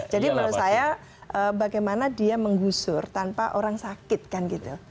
jadi menurut saya bagaimana dia menggusur tanpa orang sakit kan gitu